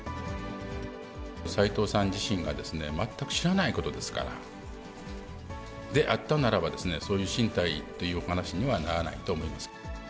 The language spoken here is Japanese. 斉藤さん自身が全く知らないことですから、であったならば、そういう進退というお話にはならないと思います。